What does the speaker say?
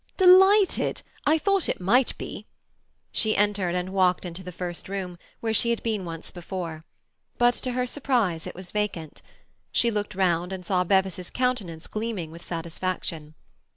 "Delighted! I thought it might be—" She entered, and walked into the first room, where she had been once before. But to her surprise it was vacant. She looked round and saw Bevis's countenance gleaming with satisfaction.